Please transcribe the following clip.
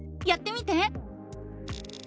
やってみて！